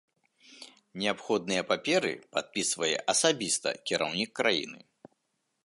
Неабходныя паперы падпісвае асабіста кіраўнік краіны.